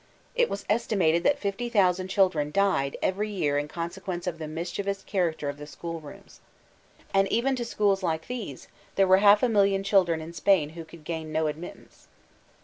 It was estimated that 50,000 children died every year in consequence of the mischievous character of the school rooms. And even to schook like these, there were half a million children in Spain who could gain no admittance.